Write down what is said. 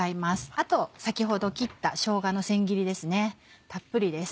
あと先ほど切ったしょうがの千切りですねたっぷりです。